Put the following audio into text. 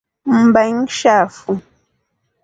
Mba ngishafu.